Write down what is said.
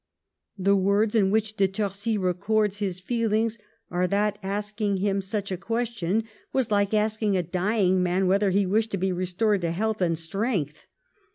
The words in which De Torcy records his feelings are that asking him such a question was Hke asking a dying man whether he wished to be restored to health and strength.